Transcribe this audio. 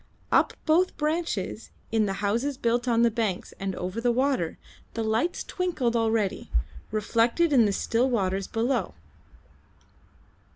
Up both branches, in the houses built on the banks and over the water, the lights twinkled already, reflected in the still waters below.